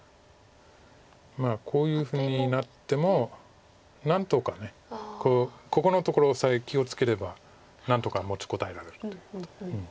まあこういうふうになっても何とかここのところさえ気を付ければ何とか持ちこたえられるということで。